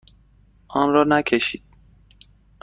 آن را نکشید.